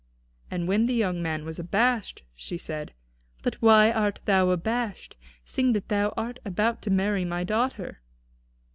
And when the young man was abashed she said: "But why art thou abashed, seeing that thou art about to marry my daughter?"